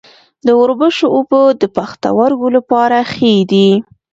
د وربشو اوبه د پښتورګو لپاره ښې دي.